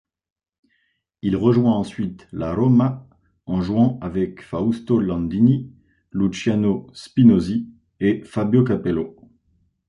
Il rejoint ensuite la Roma jouant avec Fausto Landini, Luciano Spinosi et Fabio Capello.